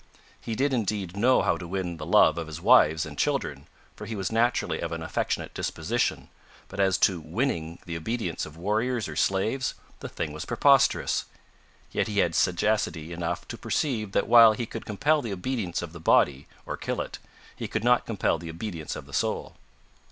He did, indeed, know how to win the love of his wives and children for he was naturally of an affectionate disposition, but as to winning the obedience of warriors or slaves the thing was preposterous! Yet he had sagacity enough to perceive that while he could compel the obedience of the body or kill it he could not compel the obedience of the soul.